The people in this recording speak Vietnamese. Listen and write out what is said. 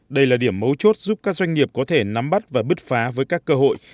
đây là điểm mấu chốt giúp các doanh nghiệp có thể nắm bắt và bứt phá với các cơ hội